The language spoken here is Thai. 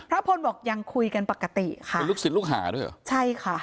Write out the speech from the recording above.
พลบอกยังคุยกันปกติค่ะเป็นลูกศิษย์ลูกหาด้วยเหรอใช่ค่ะ